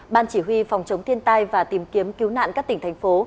ban chỉ huy phòng chống thiên tai và tìm kiếm cứu nạn các tỉnh thành phố